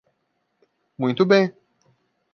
Muito bem!